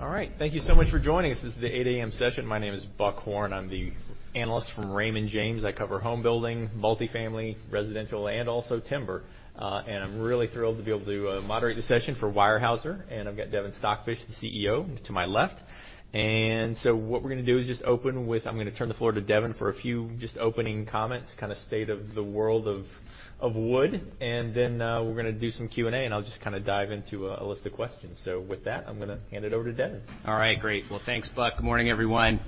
All right, thank you so much for joining us. This is the 8 A.M. session. My name is Buck Horne. I'm the analyst from Raymond James. I cover home building, multifamily, residential, and also timber. I'm really thrilled to be able to moderate the session for Weyerhaeuser. I've got Devin Stockfish, the CEO, to my left. I'm going to turn the floor to Devin for a few just opening comments, kind of state of the world of wood. We're going to do some Q&A, and I'll just kind of dive into a list of questions. With that, I'm going to hand it over to Devin. All right. Great. Well, thanks, Buck. Good morning, everyone.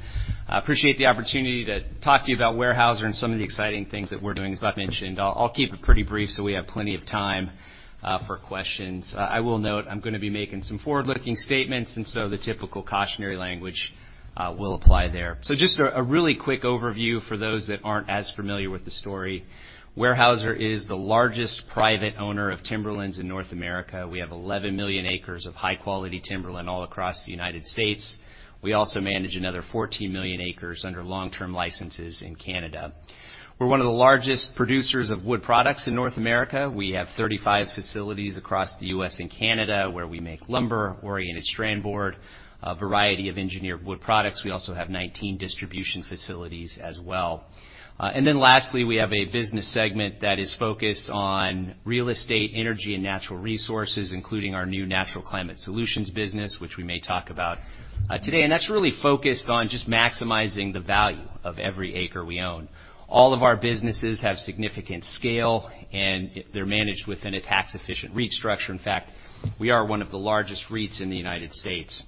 I appreciate the opportunity to talk to you about Weyerhaeuser and some of the exciting things that we're doing. As Buck mentioned, I'll keep it pretty brief so we have plenty of time for questions. I will note I'm gonna be making some forward-looking statements. The typical cautionary language will apply there. Just a really quick overview for those that aren't as familiar with the story. Weyerhaeuser is the largest private owner of timberlands in North America. We have 11 million acres of high-quality timberland all across the United States. We also manage another 14 million acres under long-term licenses in Canada. We're one of the largest producers of wood products in North America. We have 35 facilities across the U.S. and Canada, where we make lumber, Oriented Strand Board, a variety of engineered wood products. We also have 19 distribution facilities as well. Lastly, we have a business segment that is focused on real estate, energy, and natural resources, including our new natural climate solutions business, which we may talk about today. That's really focused on just maximizing the value of every acre we own. All of our businesses have significant scale, and they're managed within a tax-efficient REIT structure. In fact, we are one of the largest REITs in the United States.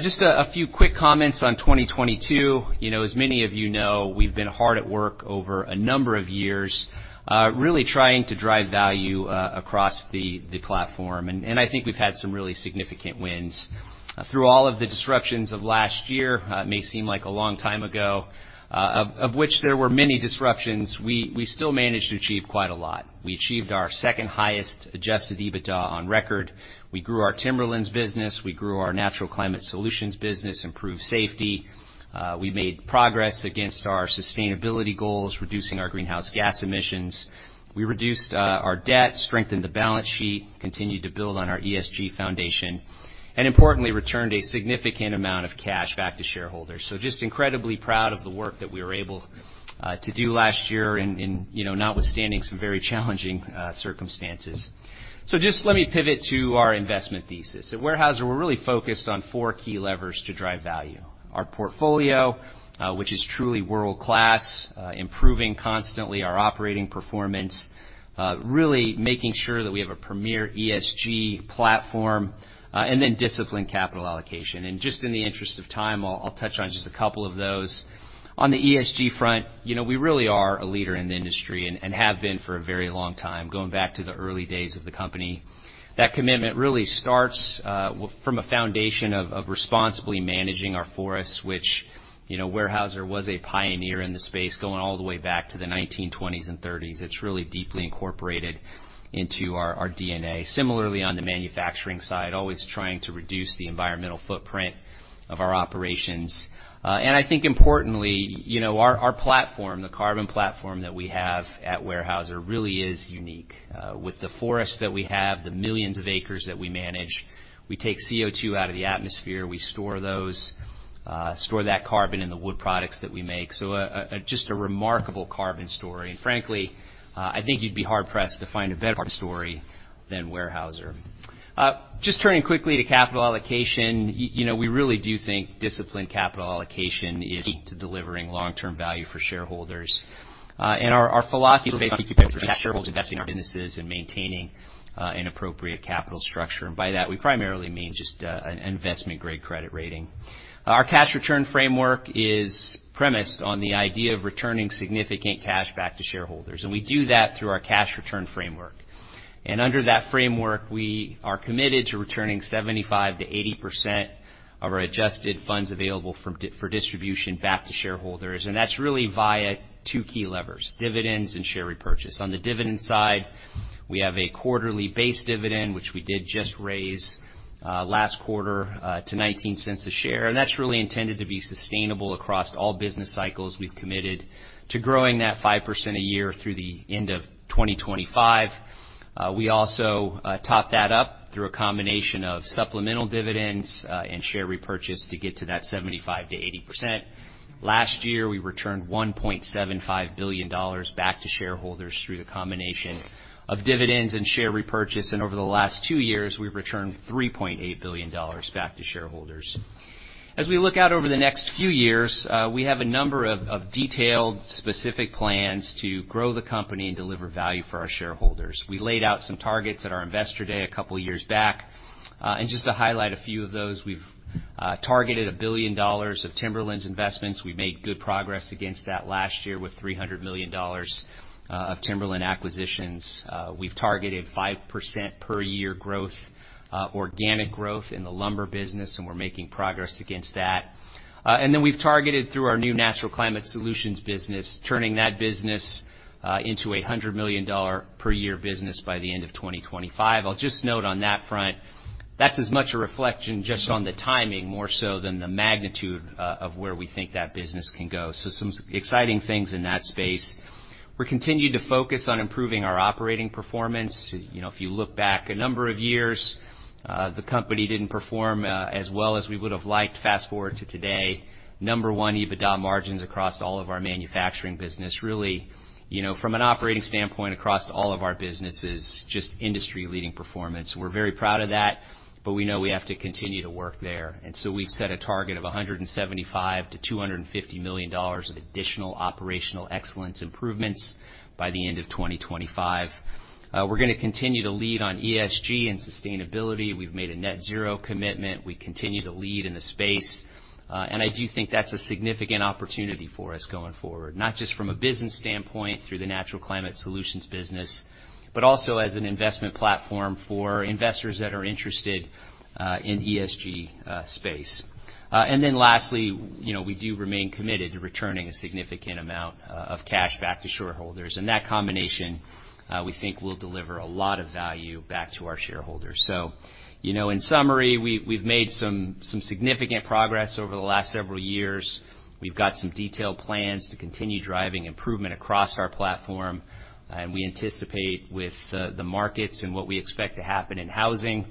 Just a few quick comments on 2022. You know, as many of you know, we've been hard at work over a number of years, really trying to drive value across the platform, and I think we've had some really significant wins. Through all of the disruptions of last year, it may seem like a long time ago, of which there were many disruptions, we still managed to achieve quite a lot. We achieved our second highest adjusted EBITDA on record. We grew our timberlands business. We grew our natural climate solutions business, improved safety. We made progress against our sustainability goals, reducing our greenhouse gas emissions. We reduced our debt, strengthened the balance sheet, continued to build on our ESG foundation, and importantly, returned a significant amount of cash back to shareholders. Just incredibly proud of the work that we were able to do last year and, you know, notwithstanding some very challenging circumstances. Just let me pivot to our investment thesis. At Weyerhaeuser, we're really focused on four key levers to drive value: our portfolio, which is truly world-class, improving constantly our operating performance, really making sure that we have a premier ESG platform, and then disciplined capital allocation. Just in the interest of time, I'll touch on just a couple of those. On the ESG front, you know, we really are a leader in the industry and have been for a very long time, going back to the early days of the company. That commitment really starts from a foundation of responsibly managing our forests, which, you know, Weyerhaeuser was a pioneer in the space, going all the way back to the 1920s and '30s. It's really deeply incorporated into our DNA. Similarly, on the manufacturing side, always trying to reduce the environmental footprint of our operations. And I think importantly, you know, our platform, the carbon platform that we have at Weyerhaeuser really is unique. With the forests that we have, the millions of acres that we manage, we take CO2 out of the atmosphere. We store that carbon in the wood products that we make. Just a remarkable carbon story. Frankly, I think you'd be hard-pressed to find a better carbon story than Weyerhaeuser. Just turning quickly to capital allocation. You know, we really do think disciplined capital allocation is key to delivering long-term value for shareholders. Our philosophy is based on two principles: investing in our businesses and maintaining an appropriate capital structure. By that, we primarily mean just an investment-grade credit rating. Our cash return framework is premised on the idea of returning significant cash back to shareholders. We do that through our cash return framework. Under that framework, we are committed to returning 75%-80% of our Adjusted Funds Available for Distribution back to shareholders, and that's really via two key levers, dividends and share repurchase. On the dividend side, we have a quarterly base dividend, which we did just raise last quarter to $0.19 a share. That's really intended to be sustainable across all business cycles. We've committed to growing that 5% a year through the end of 2025. We also top that up through a combination of supplemental dividends and share repurchase to get to that 75%-80%. Last year, we returned $1.75 billion back to shareholders through the combination of dividends and share repurchase, and over the last 2 years, we've returned $3.8 billion back to shareholders. As we look out over the next few years, we have a number of detailed, specific plans to grow the company and deliver value for our shareholders. We laid out some targets at our investor day a couple years back. Just to highlight a few of those, we've targeted $1 billion of timberlands investments. We made good progress against that last year with $300 million of timberland acquisitions. We've targeted 5% per year growth, organic growth in the lumber business, and we're making progress against that. We've targeted through our new natural climate solutions business, turning that business into a $100 million per year business by the end of 2025. I'll just note on that front, that's as much a reflection just on the timing more so than the magnitude of where we think that business can go. Some exciting things in that space. We're continued to focus on improving our operating performance. You know, if you look back a number of years. The company didn't perform as well as we would have liked. Fast-forward to today, number one, EBITDA margins across all of our manufacturing business really, you know, from an operating standpoint across all of our businesses, just industry-leading performance. We're very proud of that, but we know we have to continue to work there. We've set a target of $175 million-$250 million of additional operational excellence improvements by the end of 2025. We're gonna continue to lead on ESG and sustainability. We've made a net zero commitment. We continue to lead in the space. I do think that's a significant opportunity for us going forward, not just from a business standpoint through the natural climate solutions business, but also as an investment platform for investors that are interested in ESG space. Then lastly, you know, we do remain committed to returning a significant amount of cash back to shareholders. That combination, we think will deliver a lot of value back to our shareholders. You know, in summary, we've made some significant progress over the last several years. We've got some detailed plans to continue driving improvement across our platform. We anticipate with the markets and what we expect to happen in housing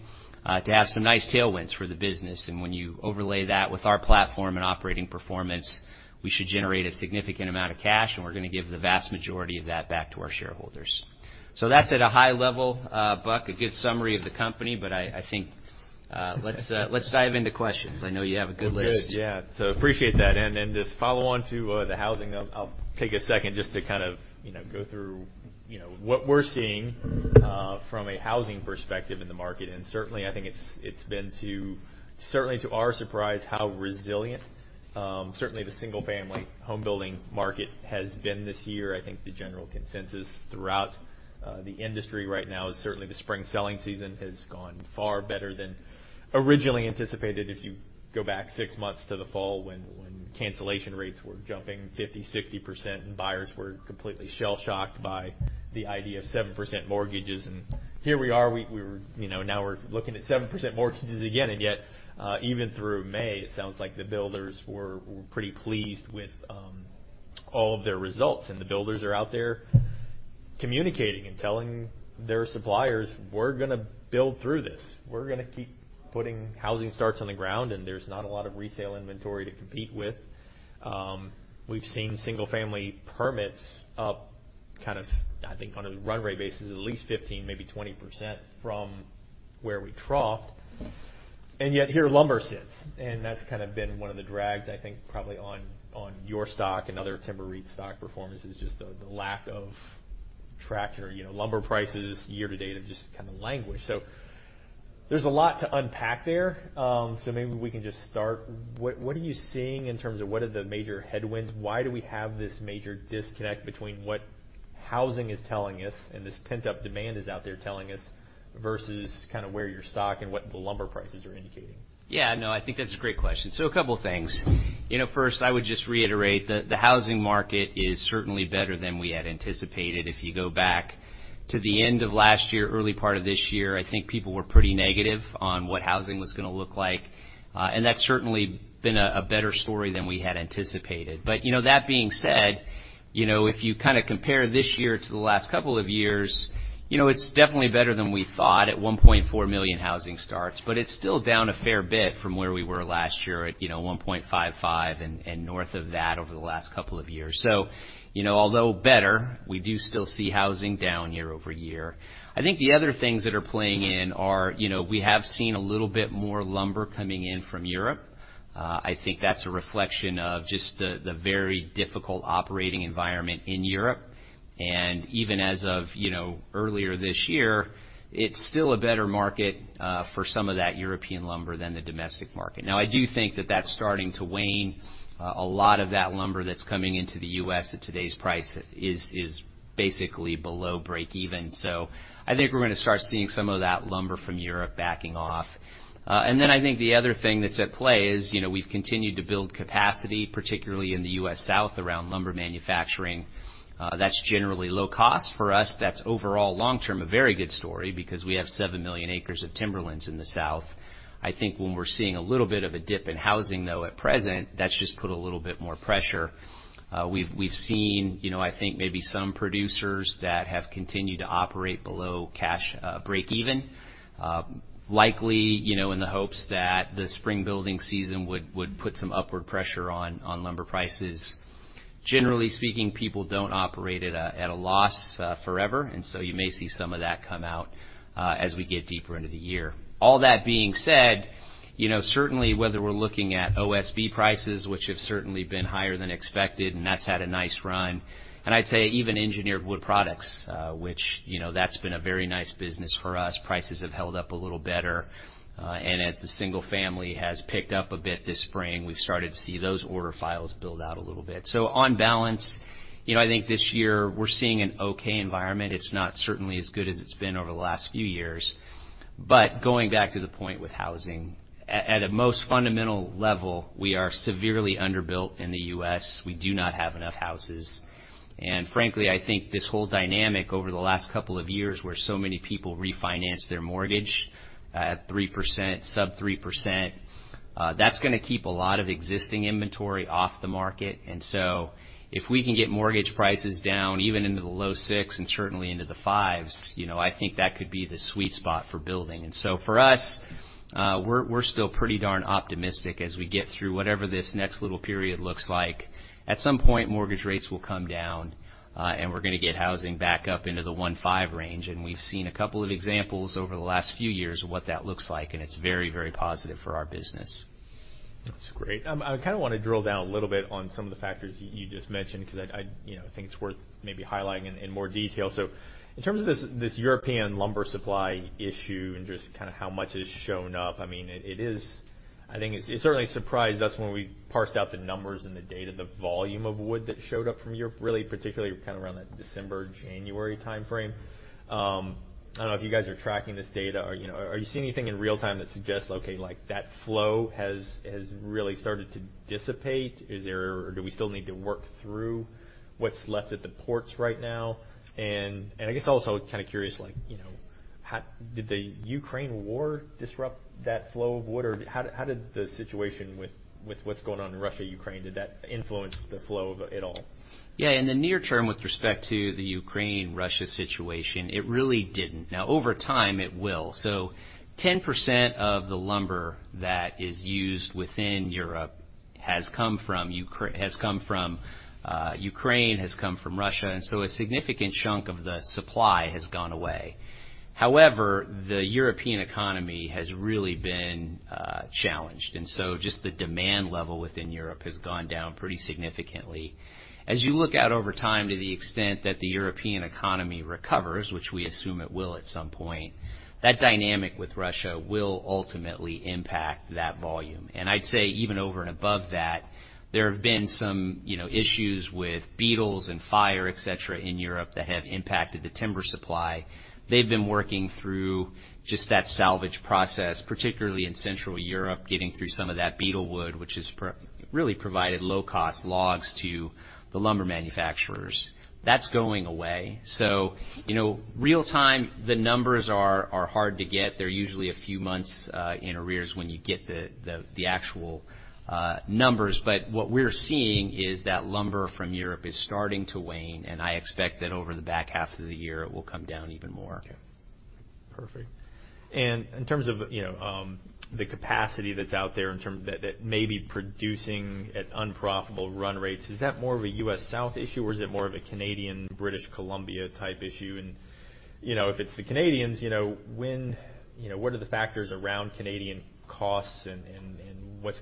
to have some nice tailwinds for the business. When you overlay that with our platform and operating performance, we should generate a significant amount of cash, and we're gonna give the vast majority of that back to our shareholders. That's at a high level, Buck, a good summary of the company, but I think let's dive into questions. I know you have a good list. Good. Yeah. Appreciate that. Just follow on to the housing, I'll take a second just to kind of, you know, go through, you know, what we're seeing from a housing perspective in the market. Certainly I think it's been. Certainly to our surprise, how resilient, certainly the single-family home building market has been this year. I think the general consensus throughout the industry right now is certainly the spring selling season has gone far better than originally anticipated if you go back six months to the fall when cancellation rates were jumping 50%, 60% and buyers were completely shell-shocked by the idea of 7% mortgages. Here we are, we're, you know, now we're looking at 7% mortgages again. Even through May, it sounds like the builders were pretty pleased with all of their results. The builders are out there communicating and telling their suppliers, "We're gonna build through this. We're gonna keep putting housing starts on the ground," and there's not a lot of resale inventory to compete with. We've seen single-family permits up kind of, I think on a run rate basis, at least 15, maybe 20% from where we troughed. Here lumber sits, and that's kind of been one of the drags, I think, probably on your stock and other timber REIT stock performances, just the lack of traction or, you know. Lumber prices year to date have just kind of languished. There's a lot to unpack there. Maybe we can just start, what are you seeing in terms of what are the major headwinds? Why do we have this major disconnect between what housing is telling us and this pent-up demand is out there telling us versus kind of where your stock and what the lumber prices are indicating? Yeah, no, I think that's a great question. A couple things. You know, first, I would just reiterate the housing market is certainly better than we had anticipated. If you go back to the end of last year, early part of this year, I think people were pretty negative on what housing was gonna look like. That's certainly been a better story than we had anticipated. You know, that being said, you know, if you kind of compare this year to the last couple of years, you know, it's definitely better than we thought at 1.4 million housing starts, but it's still down a fair bit from where we were last year at, you know, 1.55 and north of that over the last couple of years. You know, although better, we do still see housing down year-over-year. I think the other things that are playing in are, you know, we have seen a little bit more lumber coming in from Europe. I think that's a reflection of just the very difficult operating environment in Europe. Even as of, you know, earlier this year, it's still a better market for some of that European lumber than the domestic market. Now, I do think that that's starting to wane. A lot of that lumber that's coming into the U.S. at today's price is basically below break even. I think we're gonna start seeing some of that lumber from Europe backing off. I think the other thing that's at play is, you know, we've continued to build capacity, particularly in the U.S. South around lumber manufacturing. That's generally low cost. For us, that's overall long-term a very good story because we have 7 million acres of timberlands in the South. I think when we're seeing a little bit of a dip in housing, though, at present, that's just put a little bit more pressure. We've seen, you know, I think maybe some producers that have continued to operate below cash break even, likely, you know, in the hopes that the spring building season would put some upward pressure on lumber prices. Generally speaking, people don't operate at a loss forever, and so you may see some of that come out as we get deeper into the year. All that being said, you know, certainly whether we're looking at OSB prices, which have certainly been higher than expected, and that's had a nice run, and I'd say even engineered wood products, which, you know, that's been a very nice business for us. Prices have held up a little better. As the single family has picked up a bit this spring, we've started to see those order files build out a little bit. On balance, you know, I think this year we're seeing an okay environment. It's not certainly as good as it's been over the last few years. Going back to the point with housing, at a most fundamental level, we are severely underbuilt in the U.S. We do not have enough houses. I think this whole dynamic over the last couple of years where so many people refinanced their mortgage at 3%, sub 3%, that's gonna keep a lot of existing inventory off the market. If we can get mortgage prices down even into the low 6 and certainly into the 5s, you know, I think that could be the sweet spot for building. For us, we're still pretty darn optimistic as we get through whatever this next little period looks like. At some point, mortgage rates will come down, and we're gonna get housing back up into the 1.5 range. We've seen a couple of examples over the last few years of what that looks like, and it's very, very positive for our business. That's great. I kind of wanna drill down a little bit on some of the factors you just mentioned 'cause I, you know, think it's worth maybe highlighting in more detail. In terms of this European lumber supply issue and just kind of how much has shown up, I mean, I think it's, it certainly surprised us when we parsed out the numbers and the data, the volume of wood that showed up from Europe, really particularly kind of around that December, January timeframe. I don't know if you guys are tracking this data or, you know. Are you seeing anything in real time that suggests, okay, like that flow has really started to dissipate? Is there or do we still need to work through what's left at the ports right now? I guess also kind of curious, like, you know, did the Ukraine war disrupt that flow of wood? Or how did the situation with what's going on in Russia, Ukraine, did that influence the flow of it at all? In the near term, with respect to the Ukraine-Russia situation, it really didn't. Over time, it will. 10% of the lumber that is used within Europe has come from Ukraine, has come from Russia, a significant chunk of the supply has gone away. However, the European economy has really been challenged, just the demand level within Europe has gone down pretty significantly. As you look out over time, to the extent that the European economy recovers, which we assume it will at some point, that dynamic with Russia will ultimately impact that volume. I'd say even over and above that, there have been some, you know, issues with beetles and fire, et cetera, in Europe that have impacted the timber supply. They've been working through just that salvage process, particularly in Central Europe, getting through some of that beetle wood, which has really provided low-cost logs to the lumber manufacturers. That's going away. You know, real time, the numbers are hard to get. They're usually a few months in arrears when you get the actual numbers. What we're seeing is that lumber from Europe is starting to wane, and I expect that over the back half of the year, it will come down even more. Okay. Perfect. In terms of, you know, the capacity that's out there that may be producing at unprofitable run rates, is that more of a U.S. South issue or is it more of a Canadian, British Columbia type issue? If it's the Canadians, you know, what are the factors around Canadian costs and what's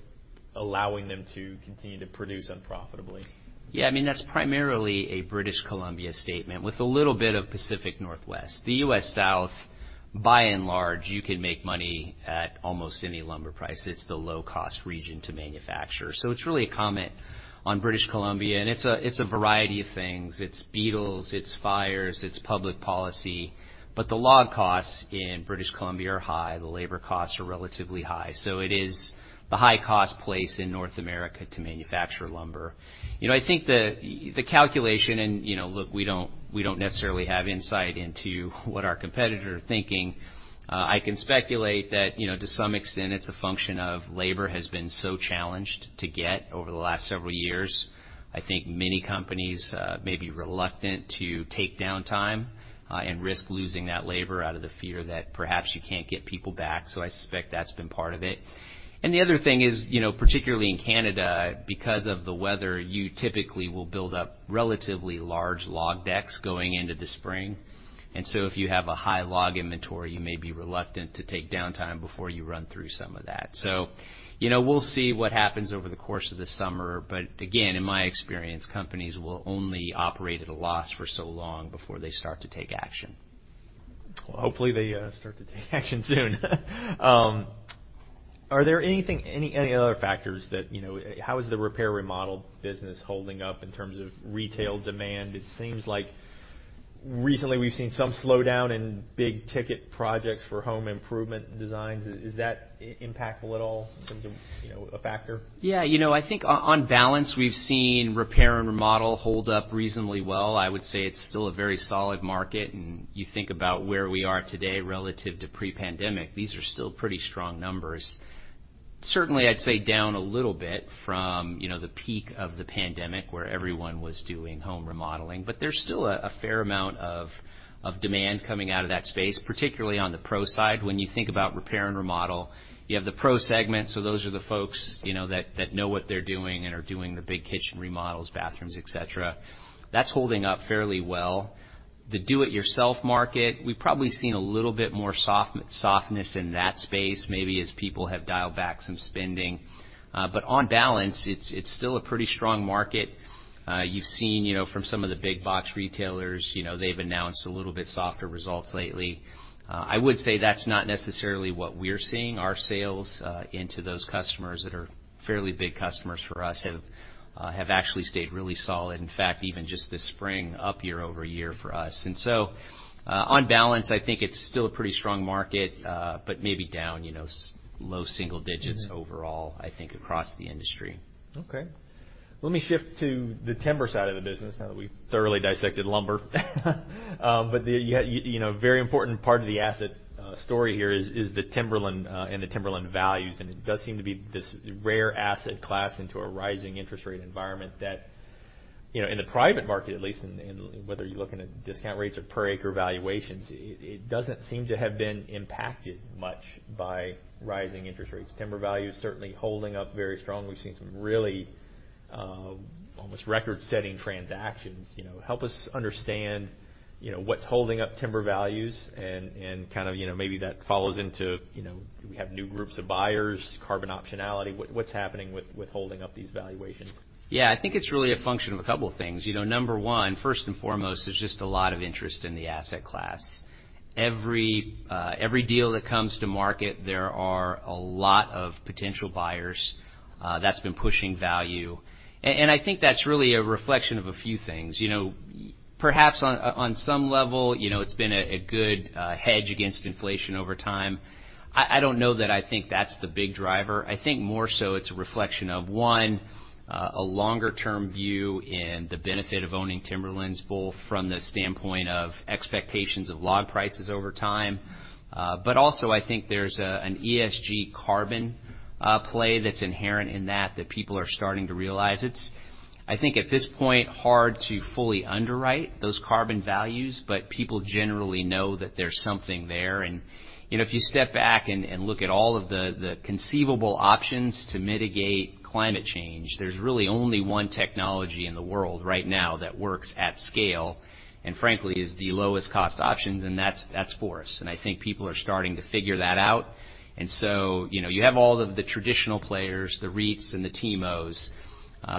allowing them to continue to produce unprofitably? Yeah, I mean, that's primarily a British Columbia statement with a little bit of Pacific Northwest. The US South, by and large, you can make money at almost any lumber price. It's the low cost region to manufacture. It's really a comment on British Columbia, and it's a variety of things. It's beetles, it's fires, it's public policy. The log costs in British Columbia are high. The labor costs are relatively high. It is the high cost place in North America to manufacture lumber. You know, I think the calculation and, you know, look, we don't, we don't necessarily have insight into what our competitor are thinking. I can speculate that, you know, to some extent it's a function of labor has been so challenged to get over the last several years. I think many companies may be reluctant to take downtime and risk losing that labor out of the fear that perhaps you can't get people back. I suspect that's been part of it. The other thing is, you know, particularly in Canada, because of the weather, you typically will build up relatively large log decks going into the spring. If you have a high log inventory, you may be reluctant to take downtime before you run through some of that. You know, we'll see what happens over the course of the summer. Again, in my experience, companies will only operate at a loss for so long before they start to take action. Hopefully they start to take action soon. Are there anything, any other factors that, you know? How is the repair remodel business holding up in terms of retail demand? It seems like recently we've seen some slowdown in big ticket projects for home improvement and designs. Is that impactful at all? Seems a, you know, a factor. Yeah, you know, I think on balance, we've seen repair and remodel hold up reasonably well. I would say it's still a very solid market, and you think about where we are today relative to pre-pandemic, these are still pretty strong numbers. Certainly, I'd say down a little bit from, you know, the peak of the pandemic where everyone was doing home remodeling. There's still a fair amount of demand coming out of that space, particularly on the pro side. When you think about repair and remodel, you have the pro segment, so those are the folks, you know, that know what they're doing and are doing the big kitchen remodels, bathrooms, et cetera. That's holding up fairly well. The do-it-yourself market, we've probably seen a little bit more softness in that space, maybe as people have dialed back some spending. On balance, it's still a pretty strong market. You've seen, you know, from some of the big box retailers, you know, they've announced a little bit softer results lately. I would say that's not necessarily what we're seeing. Our sales, into those customers that are fairly big customers for us have actually stayed really solid. In fact, even just this spring, up year-over-year for us. On balance, I think it's still a pretty strong market, but maybe down, you know, low single digits- Mm-hmm. Overall, I think, across the industry. Okay. Let me shift to the timber side of the business now that we've thoroughly dissected lumber. The, yeah, you know, very important part of the asset story here is the timberland and the timberland values. It does seem to be this rare asset class into a rising interest rate environment that, you know, in the private market, at least in whether you're looking at discount rates or per acre valuations, it doesn't seem to have been impacted much by rising interest rates. Timber value is certainly holding up very strongly. We've seen some really almost record-setting transactions. You know, help us understand, you know, what's holding up timber values and kind of, you know, maybe that follows into, you know, do we have new groups of buyers, carbon optionality? What, what's happening with holding up these valuations? I think it's really a function of a couple of things. You know, number one, first and foremost, there's just a lot of interest in the asset class. Every deal that comes to market, there are a lot of potential buyers that's been pushing value. I think that's really a reflection of a few things. Perhaps on some level, you know, it's been a good hedge against inflation over time. I don't know that I think that's the big driver. I think more so it's a reflection of, one, a longer-term view in the benefit of owning timberlands, both from the standpoint of expectations of log prices over time. Also I think there's an ESG carbon play that's inherent in that people are starting to realize. It's, I think at this point, hard to fully underwrite those carbon values, but people generally know that there's something there. You know, if you step back and look at all of the conceivable options to mitigate climate change, there's really only one technology in the world right now that works at scale, and frankly, is the lowest cost options, and that's forests. I think people are starting to figure that out. You know, you have all of the traditional players, the REITs and the TIMOs,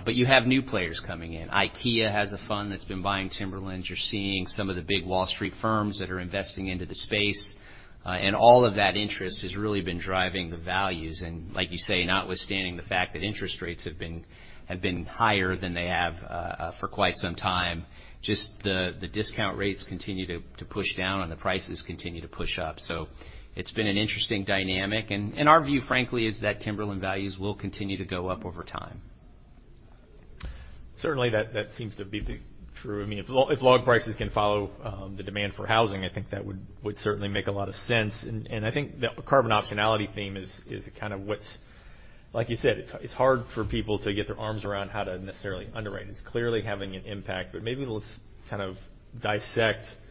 but you have new players coming in. IKEA has a fund that's been buying timberlands. You're seeing some of the big Wall Street firms that are investing into the space, and all of that interest has really been driving the values. Like you say, notwithstanding the fact that interest rates have been higher than they have for quite some time, just the discount rates continue to push down and the prices continue to push up. It's been an interesting dynamic. Our view, frankly, is that timberland values will continue to go up over time. Certainly, that seems to be the true. I mean, if log prices can follow, the demand for housing, I think that would certainly make a lot of sense. I think the carbon optionality theme is kind of what's. Like you said, it's hard for people to get their arms around how to necessarily underwrite. It's clearly having an impact, but maybe let's kind of dissect, you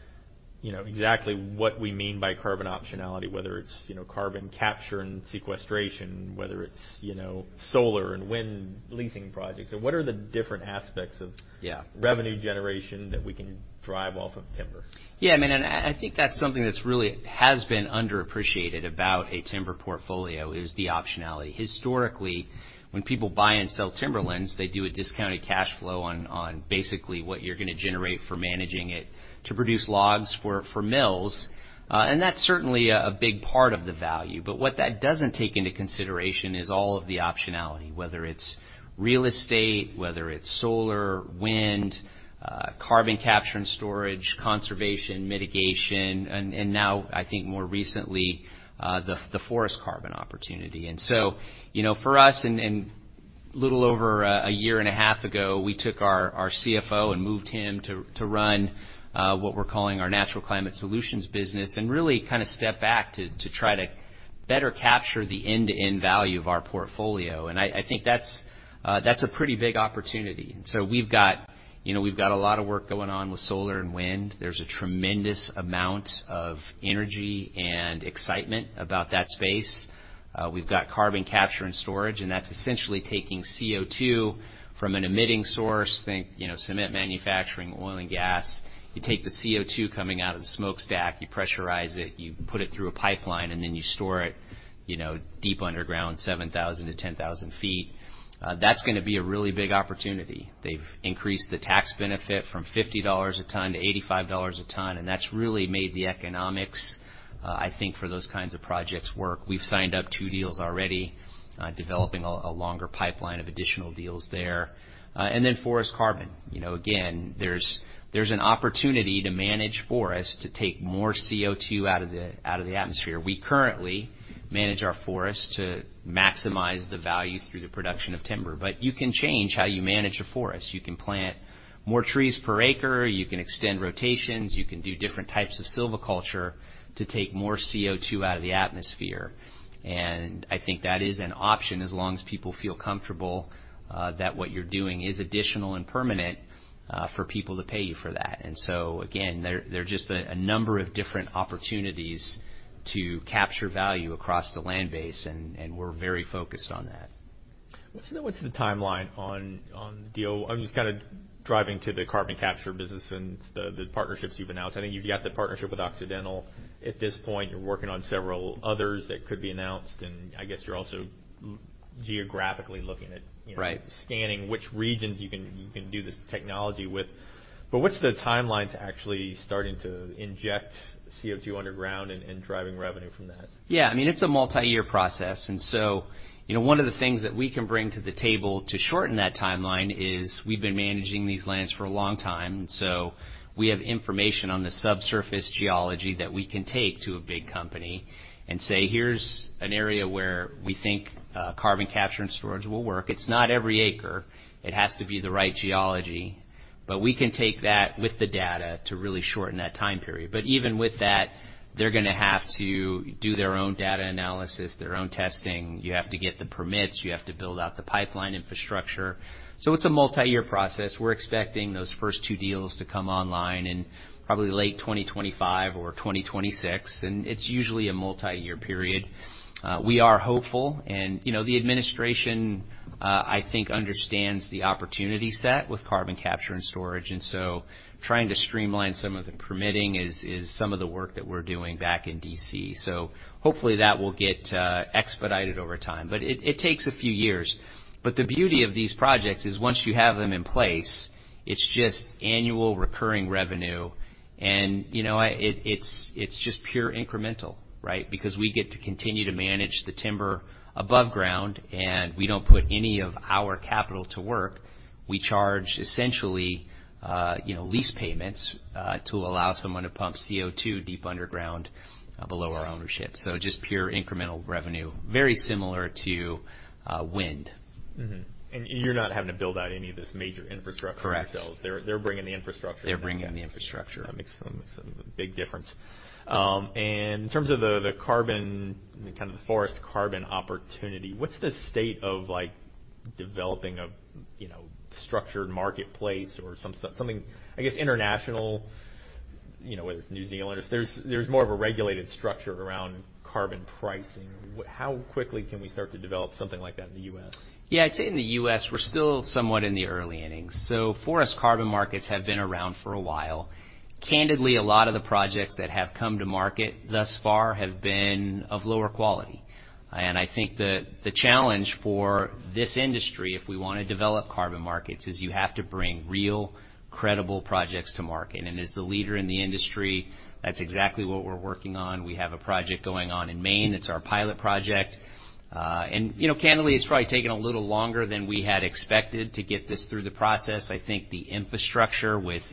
know, exactly what we mean by carbon optionality, whether it's, you know, carbon capture and sequestration, whether it's, you know, solar and wind leasing projects. What are the different aspects of? Yeah. revenue generation that we can drive off of timber? Yeah. I mean, I think that's something that's really has been underappreciated about a timber portfolio is the optionality. Historically, when people buy and sell timberlands, they do a discounted cash flow on basically what you're gonna generate for managing it to produce logs for mills. That's certainly a big part of the value. What that doesn't take into consideration is all of the optionality, whether it's real estate, whether it's solar, wind, carbon capture and storage, conservation, mitigation, and now I think more recently, the forest carbon opportunity. You know, for us a little over a year and a half ago, we took our CFO and moved him to run what we're calling our natural climate solutions business and really kinda step back to try to better capture the end-to-end value of our portfolio. I think that's a pretty big opportunity. We've got, you know, a lot of work going on with solar and wind. There's a tremendous amount of energy and excitement about that space. We've got carbon capture and storage, and that's essentially taking CO2 from an emitting source. Think, you know, cement manufacturing, oil and gas. You take the CO2 coming out of the smokestack, you pressurize it, you put it through a pipeline, and then you store it, you know, deep underground, 7,000 to 10,000 feet. That's gonna be a really big opportunity. They've increased the tax benefit from $50 a ton to $85 a ton, and that's really made the economics, I think for those kinds of projects work. We've signed up two deals already, developing a longer pipeline of additional deals there. Forest carbon. You know, again, there's an opportunity to manage forests to take more CO2 out of the atmosphere. We currently manage our forests to maximize the value through the production of timber. You can change how you manage a forest. You can plant more trees per acre, you can extend rotations, you can do different types of silviculture to take more CO2 out of the atmosphere. I think that is an option as long as people feel comfortable that what you're doing is additional and permanent for people to pay you for that. Again, there are just a number of different opportunities to capture value across the land base, and we're very focused on that. What's the timeline on the? I'm just kind of driving to the carbon capture business and the partnerships you've announced. I think you've got the partnership with Occidental at this point. You're working on several others that could be announced. I guess you're also geographically looking at, you know. Right. scanning which regions you can, you can do this technology with. What's the timeline to actually starting to inject CO2 underground and driving revenue from that? Yeah, I mean, it's a multi-year process. You know, one of the things that we can bring to the table to shorten that timeline is we've been managing these lands for a long time, and so we have information on the subsurface geology that we can take to a big company and say, "Here's an area where we think carbon capture and storage will work." It's not every acre. It has to be the right geology. We can take that with the data to really shorten that time period. Even with that, they're gonna have to do their own data analysis, their own testing. You have to get the permits. You have to build out the pipeline infrastructure. It's a multi-year process. We're expecting those first two deals to come online in probably late 2025 or 2026. It's usually a multi-year period. We are hopeful and, you know, the administration, I think understands the opportunity set with carbon capture and storage. Trying to streamline some of the permitting is some of the work that we're doing back in D.C Hopefully that will get expedited over time. It takes a few years. The beauty of these projects is once you have them in place, it's just annual recurring revenue and, you know, it's just pure incremental, right? Because we get to continue to manage the timber above ground, and we don't put any of our capital to work. We charge essentially, you know, lease payments to allow someone to pump CO2 deep underground below our ownership. Just pure incremental revenue, very similar to, wind. Mm-hmm. you're not having to build out any of this major infrastructure. Correct. yourselves. They're bringing the infrastructure. They're bringing the infrastructure. That makes some big difference. In terms of the carbon, kind of the forest carbon opportunity, what's the state of like developing a, you know, structured marketplace or something, I guess, international, you know, whether it's New Zealand or? There's more of a regulated structure around carbon pricing. How quickly can we start to develop something like that in the U.S.? Yeah. I'd say in the U.S. we're still somewhat in the early innings. Forest carbon markets have been around for a while. Candidly, a lot of the projects that have come to market thus far have been of lower quality. I think the challenge for this industry if we wanna develop carbon markets is you have to bring real credible projects to market. As the leader in the industry, that's exactly what we're working on. We have a project going on in Maine, it's our pilot project. You know, candidly, it's probably taken a little longer than we had expected to get this through the process. I think the infrastructure with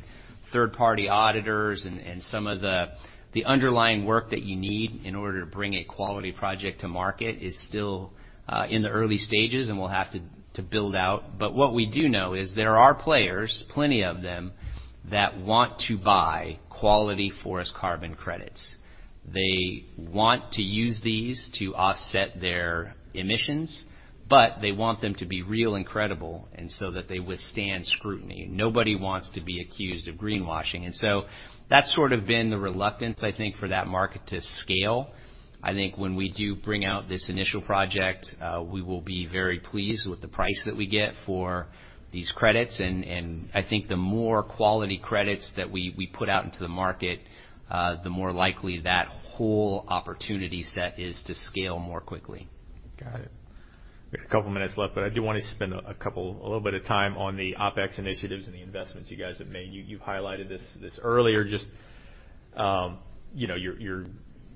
third-party auditors and some of the underlying work that you need in order to bring a quality project to market is still in the early stages, and we'll have to build out. What we do know is there are players, plenty of them, that want to buy quality forest carbon credits. They want to use these to offset their emissions, but they want them to be real and credible and so that they withstand scrutiny. Nobody wants to be accused of greenwashing. That's sort of been the reluctance, I think, for that market to scale. I think when we do bring out this initial project, we will be very pleased with the price that we get for these credits. I think the more quality credits that we put out into the market, the more likely that whole opportunity set is to scale more quickly. Got it. We have 2 minutes left, but I do wanna spend a little bit of time on the OpEx initiatives and the investments you guys have made. You highlighted this earlier, just, you know, your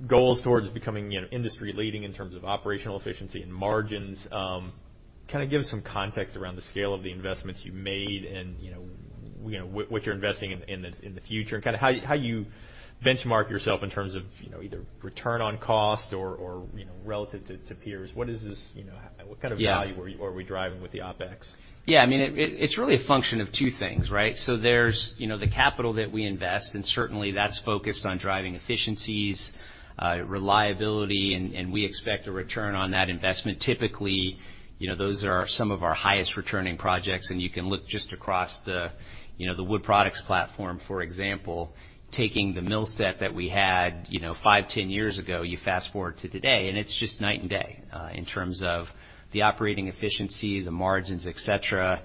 goals towards becoming, you know, industry leading in terms of operational efficiency and margins. Kind of give some context around the scale of the investments you made and, you know, what you're investing in the future, and kinda how you benchmark yourself in terms of, you know, either return on cost or, you know, relative to peers. What is this, you know, what kind of value- Yeah. Are we driving with the OpEx? Yeah. I mean, it's really a function of two things, right? There's, you know, the capital that we invest, and certainly that's focused on driving efficiencies, reliability, and we expect a return on that investment. Typically, you know, those are some of our highest returning projects. You can look just across the, you know, the wood products platform, for example, taking the mill set that we had, you know, 5, 10 years ago, you fast-forward to today, and it's just night and day, in terms of the operating efficiency, the margins, et cetera,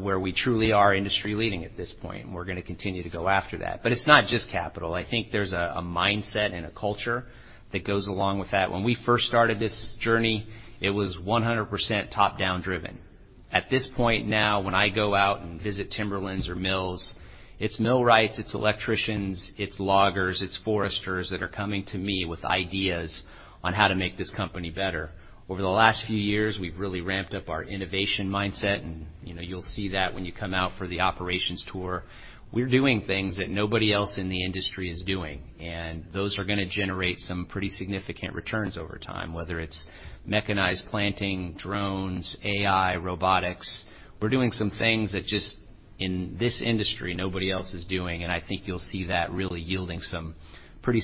where we truly are industry leading at this point, and we're gonna continue to go after that. It's not just capital. I think there's a mindset and a culture that goes along with that. When we first started this journey, it was 100% top-down driven. At this point now, when I go out and visit timberlands or mills, it's millwrights, it's electricians, it's loggers, it's foresters that are coming to me with ideas on how to make this company better. Over the last few years, we've really ramped up our innovation mindset and, you know, you'll see that when you come out for the operations tour. We're doing things that nobody else in the industry is doing, and those are gonna generate some pretty significant returns over time, whether it's mechanized planting, drones, AI, robotics. We're doing some things that just in this industry, nobody else is doing. I think you'll see that really yielding some pretty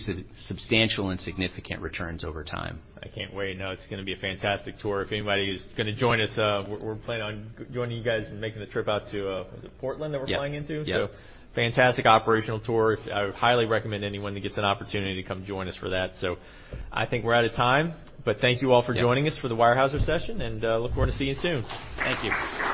substantial and significant returns over time. I can't wait. It's gonna be a fantastic tour. If anybody is gonna join us, we're planning on joining you guys and making the trip out to, was it Portland that we're flying into? Yeah. Yeah. Fantastic operational tour. I would highly recommend anyone who gets an opportunity to come join us for that. I think we're out of time. Thank you all for joining us for the Weyerhaeuser session, and look forward to seeing you soon. Thank you.